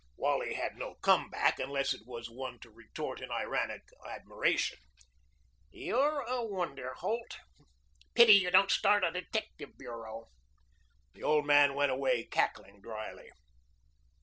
Wally had no come back, unless it was one to retort in ironic admiration. "You're a wonder, Holt. Pity you don't start a detective bureau." The old man went away cackling dryly.